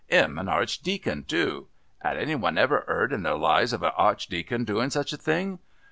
'Im an Archdeacon too. 'Ad any one ever heard in their lives of an Archdeacon doing such a thing?